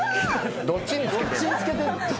どっちにつけてんねん。